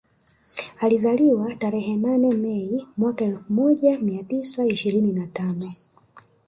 Alizaliwa tarehe nane Mei mwaka elfu moja mia tisa ishirini na tano